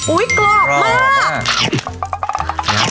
อุ้ยกรอบมาก